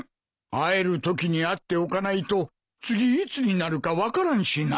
会えるときに会っておかないと次いつになるか分からんしな。